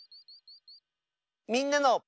「みんなの」。